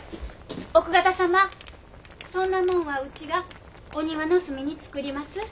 奥方様そんなもんはうちがお庭の隅に作ります。